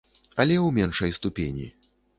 Але ў меншай ступені.